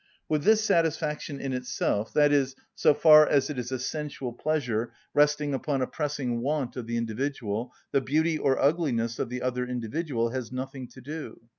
With this satisfaction in itself, i.e., so far as it is a sensual pleasure resting upon a pressing want of the individual, the beauty or ugliness of the other individual has nothing to do.